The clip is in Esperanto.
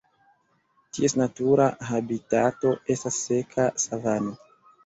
Ties natura habitato estas seka savano.